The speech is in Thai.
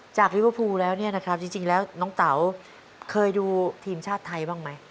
ลิเวอร์พูลแล้วเนี่ยนะครับจริงแล้วน้องเต๋าเคยดูทีมชาติไทยบ้างไหม